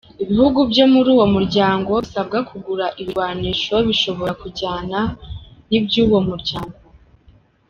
Ibihugu vyo muri uwo muryango bisabwa kugura ibigwanisho bishobora kujana n'ivy'uwo muryango.